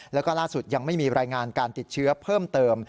แล้วก็ล่าสุดยังไม่มีรายงานการติดเชื้อเพิ่มเติม